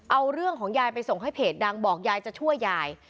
เอาเรื่องของยายไปส่งให้เพจดังบอกยายจะช่วยยาย